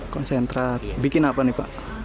konsentrat bikin apa nih pak